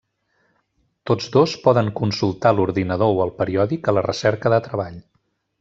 Tots dos poden consultar l'ordinador o el periòdic a la recerca de treball.